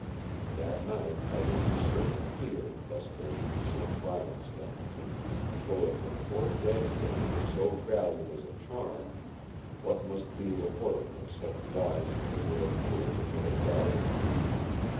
"That night I was in certain fear lest there should be some violence done to me; for if the poor dead hand was so valued as a charm, what must be the worth in such wise of the rare Jewel which it had guarded.